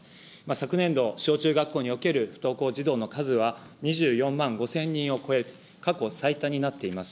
昨年度、小中学校における不登校児童の数は２４万５０００人を超え、過去最多になっています。